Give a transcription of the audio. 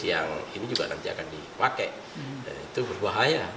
yang ini juga nanti akan dipakai